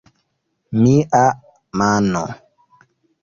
Mia mano...